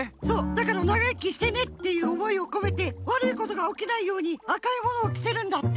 だから「ながいきしてね」っていうおもいをこめてわるいことがおきないように赤いものをきせるんだって。